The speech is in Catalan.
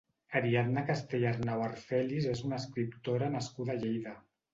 Ariadna Castellarnau Arfelis és una escriptora nascuda a Lleida.